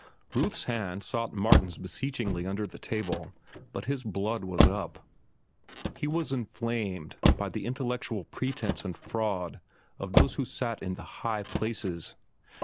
Ruth's hand sought Martin's beseechingly under the table, but his blood was up. He was inflamed by the intellectual pretence and fraud of those who sat in the high places.